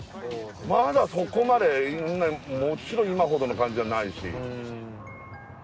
まだそこまでもちろん今ほどの感じじゃないし。